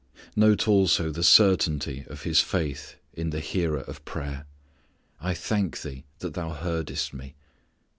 Note also the certainty of His faith in the Hearer of prayer: "I thank Thee that Thou heardest Me."